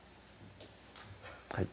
はい